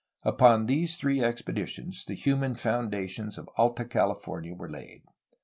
Upon these three expeditions the human foundations of Alta Cali fornia were laid.